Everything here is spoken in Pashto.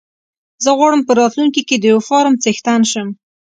زه غواړم په راتلونکي کې د يو فارم څښتن شم.